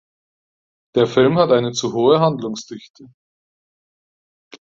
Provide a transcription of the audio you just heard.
Der Film hat eine zu hohe Handlungsdichte.